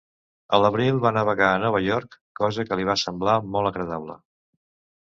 A l'abril va navegar a Nova York, cosa que li va semblar molt agradable.